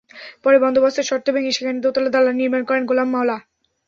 পরে বন্দোবস্তের শর্ত ভেঙে সেখানে দোতলা দালান নির্মাণ করেন গোলাম মাওলা।